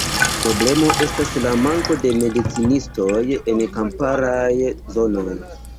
Problemo estas la manko de medicinistoj en kamparaj zonoj.